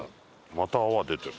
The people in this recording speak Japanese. また泡出てる。